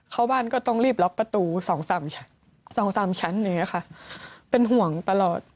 เข้าบ้านก็ต้องรีบล็อคประตู๒๓ชั้นเป็นห่วงตลอด